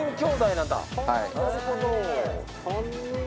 なるほど。